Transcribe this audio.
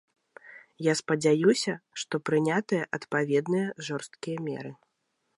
Я спадзяюся, што прынятыя адпаведныя жорсткія меры.